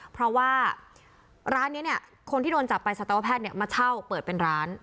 เพราะว่าร้านนี้เนี่ยคนที่โดนจับไปสัตวแพทย์เนี่ยมาเช่าเปิดเป็นร้าน